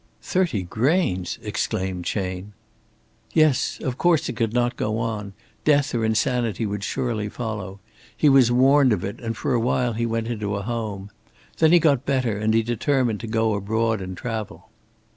"Thirty grains!" exclaimed Chayne. "Yes. Of course it could not go on. Death or insanity would surely follow. He was warned of it, and for a while he went into a home. Then he got better, and he determined to go abroad and travel."